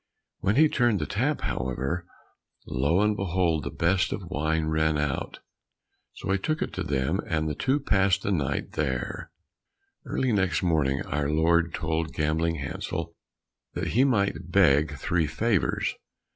When he turned the tap, however, lo and behold, the best of wine ran out! So he took it to them, and the two passed the night there. Early next day our Lord told Gambling Hansel that he might beg three favours.